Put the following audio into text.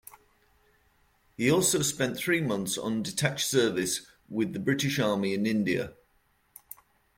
He also spent three months on detached service with the British Army in India.